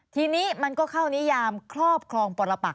ทีนี้มันก็เข้านิยามครอบครองปรปัก